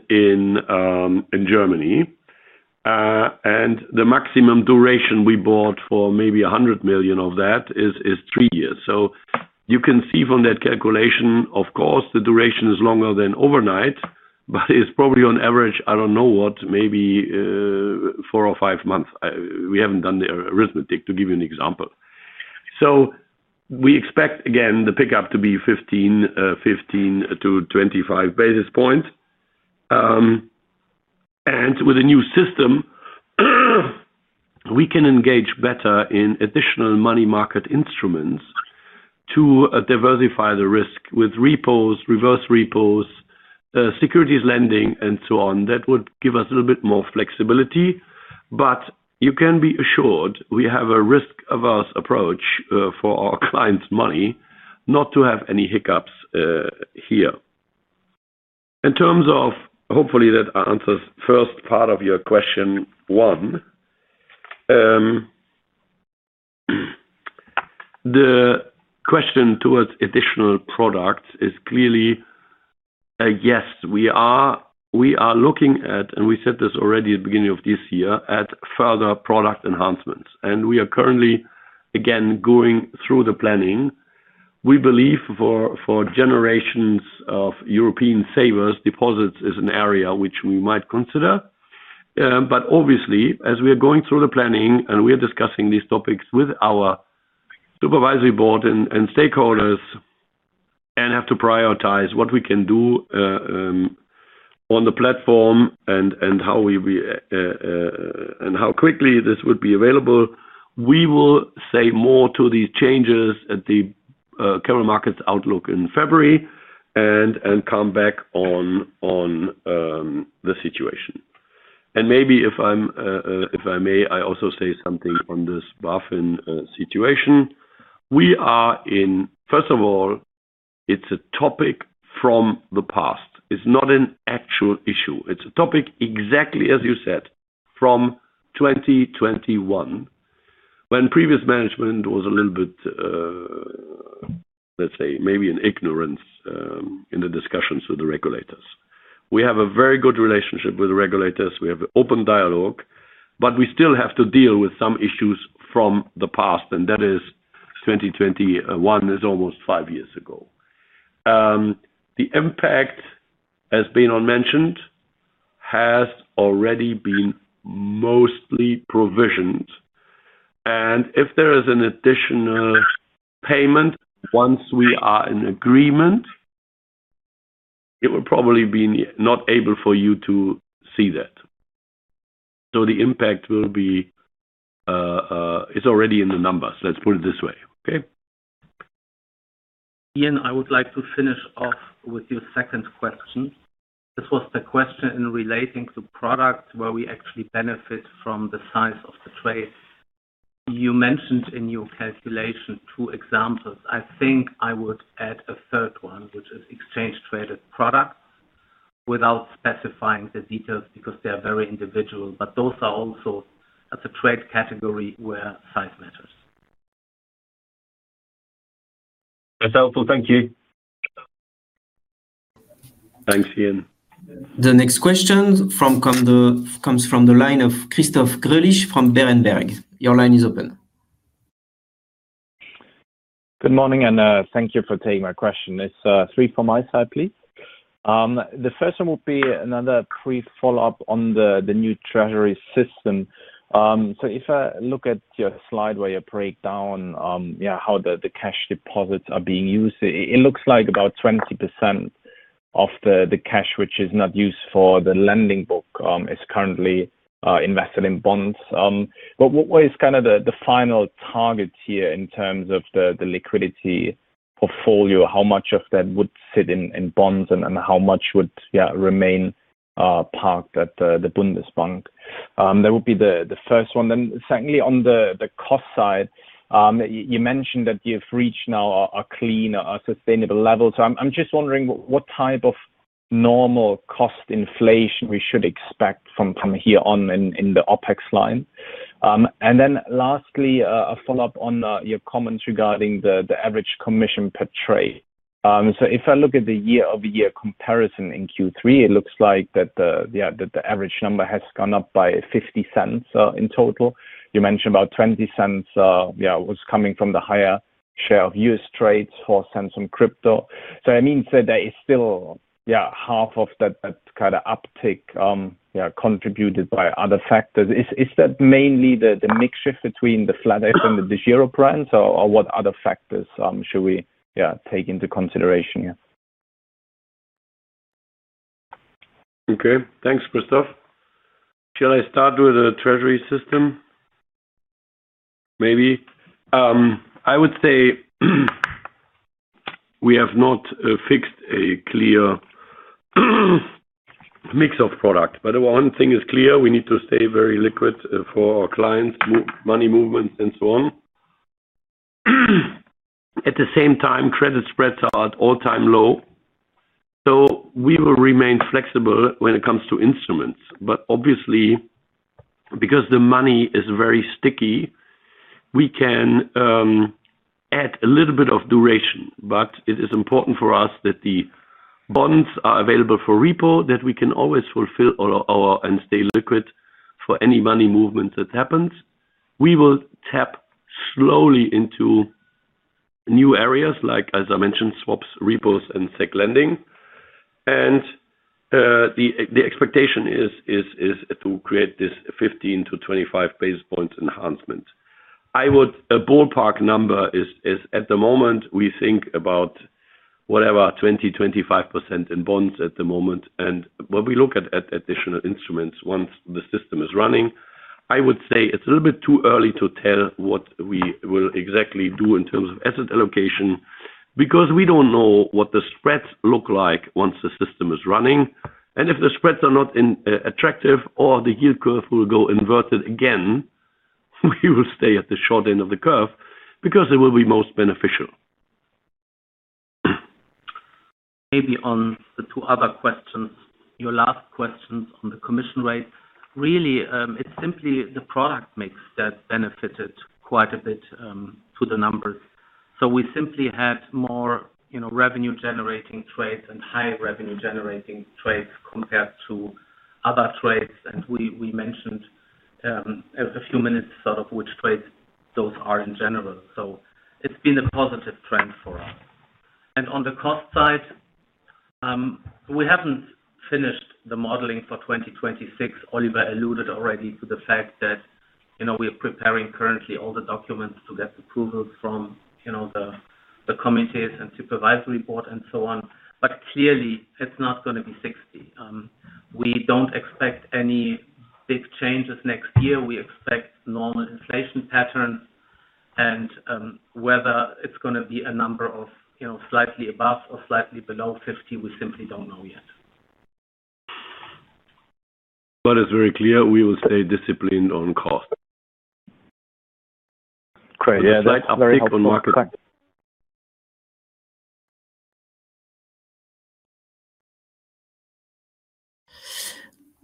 Germany. The maximum duration we bought for maybe 100 million of that is three years. You can see from that calculation, of course, the duration is longer than overnight, but it's probably on average, I don't know what, maybe four or five months. We haven't done the arithmetic to give you an example. We expect, again, the pickup to be 15 basis points-25 basis points. With a new system, we can engage better in additional money market instruments to diversify the risk with repos, reverse repos, securities lending, and so on. That would give us a little bit more flexibility. You can be assured we have a risk-averse approach for our clients' money not to have any hiccups here. Hopefully, that answers the first part of your question one. The question towards additional products is clearly a yes. We are looking at, and we said this already at the beginning of this year, at further product enhancements. We are currently, again, going through the planning. We believe for generations of European savers, deposits is an area which we might consider. Obviously, as we are going through the planning and we are discussing these topics with our Supervisory Board and stakeholders and have to prioritize what we can do on the platform and how quickly this would be available, we will say more to these changes at the current markets outlook in February and come back on the situation. Maybe if I may, I also say something on this BaFin situation. First of all, it's a topic from the past. It's not an actual issue. It's a topic exactly as you said from 2021, when previous management was a little bit, let's say, maybe in ignorance in the discussions with the regulators. We have a very good relationship with the regulators. We have an open dialogue, but we still have to deal with some issues from the past, and that is 2021 is almost five years ago. The impact, as Benon mentioned, has already been mostly provisioned. If there is an additional payment once we are in agreement, it will probably be not able for you to see that. The impact will be, it's already in the numbers. Let's put it this way. Okay? Ian, I would like to finish off with your second question. This was the question in relating to products where we actually benefit from the size of the trade. You mentioned in your calculation two examples. I think I would add a third one, which is exchange-traded products, without specifying the details because they are very individual. Those are also at the trade category where size matters. That's helpful. Thank you. Thanks, Ian. The next question comes from the line of Christoph Greulich from Berenberg. Your line is open. Good morning, and thank you for taking my question. It's three from my side, please. The first one would be another brief follow-up on the new treasury system. If I look at your slide where you break down how the cash deposits are being used, it looks like about 20% of the cash, which is not used for the lending book, is currently invested in bonds. What is the final target here in terms of the liquidity portfolio? How much of that would sit in bonds and how much would remain parked at the Bundesbank? That would be the first one. Secondly, on the cost side, you mentioned that you've reached now a cleaner, sustainable level. I'm just wondering what type of normal cost inflation we should expect from here on in the OpEx line. Lastly, a follow-up on your comments regarding the average commission per trade. If I look at the year-over-year comparison in Q3, it looks like the average number has gone up by $0.50 in total. You mentioned about $0.20 was coming from the higher share of U.S. trades, $0.04 on crypto. That means there is still half of that uptick contributed by other factors. Is that mainly the mixture between the flatex and the DEGIRO brands, or what other factors should we take into consideration here? Okay. Thanks, Christoph. Shall I start with the treasury system? Maybe. I would say we have not fixed a clear mix of products, but the one thing is clear. We need to stay very liquid for our clients, money movements, and so on. At the same time, credit spreads are at all-time low. We will remain flexible when it comes to instruments. Obviously, because the money is very sticky, we can add a little bit of duration. It is important for us that the bonds are available for repo, that we can always fulfill our and stay liquid for any money movements that happen. We will tap slowly into new areas like, as I mentioned, swaps, repos, and securities lending. The expectation is to create this 15 basis points-25 basis points enhancement. A ballpark number is, at the moment, we think about, whatever, 20%-25% in bonds at the moment. When we look at additional instruments once the system is running, I would say it's a little bit too early to tell what we will exactly do in terms of asset allocation because we don't know what the spreads look like once the system is running. If the spreads are not attractive or the yield curve will go inverted again, we will stay at the short end of the curve because it will be most beneficial. Maybe on the two other questions, your last questions on the commission rates, really, it's simply the product mix that benefited quite a bit to the numbers. We simply had more revenue-generating trades and high revenue-generating trades compared to other trades. We mentioned a few minutes sort of which trades those are in general. It's been a positive trend for us. On the cost side, we haven't finished the modeling for 2026. Oliver alluded already to the fact that we are preparing currently all the documents to get approvals from the committees and Supervisory Board and so on. Clearly, it's not going to be 60. We don't expect any big changes next year. We expect normal inflation patterns. Whether it's going to be a number slightly above or slightly below 50, we simply don't know yet. It is very clear we will stay disciplined on cost. Great. Yeah, let's keep on marketing.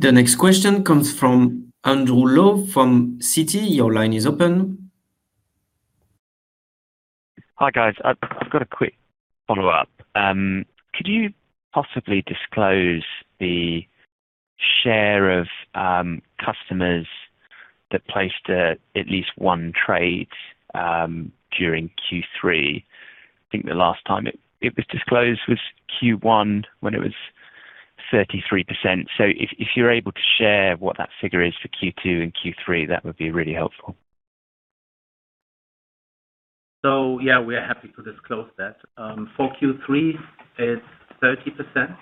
The next question comes from Andrew Lowe from Citi. Your line is open. Hi, guys. I've got a quick follow-up. Could you possibly disclose the share of customers that placed at least one trade during Q3? I think the last time it was disclosed was Q1 when it was 33%. If you're able to share what that figure is for Q2 and Q3, that would be really helpful. We are happy to disclose that for Q3, it's 30%.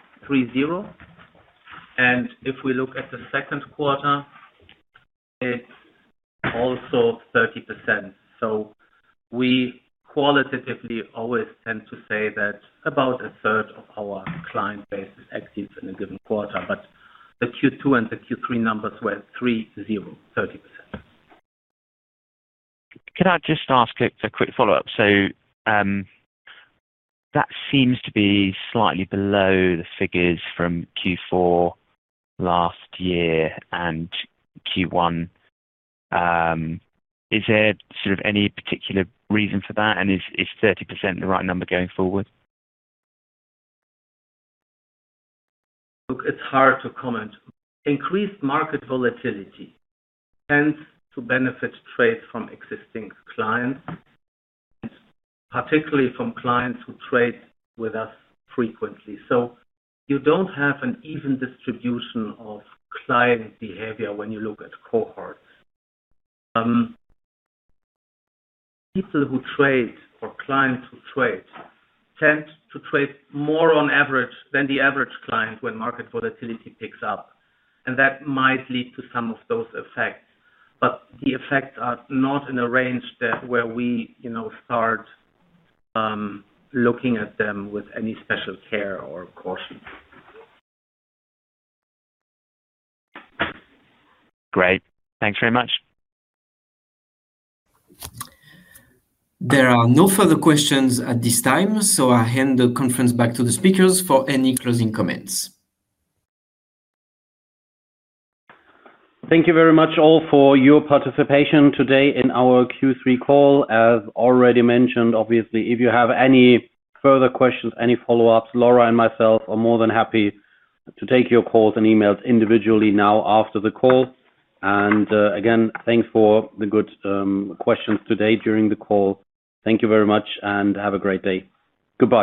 If we look at the second quarter, it's also 30%. We qualitatively always tend to say that about a third of our client base is active in a given quarter, but the Q2 and the Q3 numbers were 30%. Can I just ask a quick follow-up? That seems to be slightly below the figures from Q4 last year and Q1. Is there any particular reason for that? Is 30% the right number going forward? Look, it's hard to comment. Increased market volatility tends to benefit trades from existing clients, particularly from clients who trade with us frequently. You don't have an even distribution of client behavior when you look at cohorts. Clients who trade tend to trade more on average than the average client when market volatility picks up. That might lead to some of those effects. The effects are not in a range where we start looking at them with any special care. Great. Thanks very much. There are no further questions at this time, so I hand the conference back to the speakers for any closing comments. Thank you very much all for your participation today in our Q3 call. As already mentioned, obviously, if you have any further questions, any follow-ups, Laura and myself are more than happy to take your calls and emails individually now after the call. Thank you very much and have a great day. Goodbye.